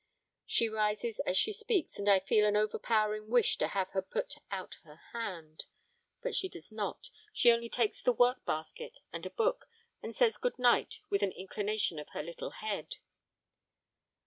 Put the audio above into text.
She rises as she speaks, and I feel an overpowering wish to have her put out her hand. But she does not, she only takes the work basket and a book, and says good night with an inclination of her little head.